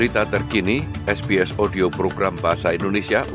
sampai jumpa di sps bahasa indonesia